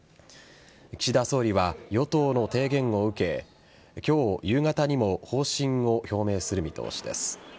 岸田総理は与党の提言を受け今日夕方にも方針を表明する見通しです。